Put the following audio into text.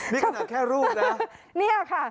นี่ประมาณแค่รูปนะ